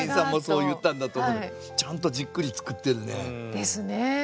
ちゃんとじっくりつくってるね。ですねぇ。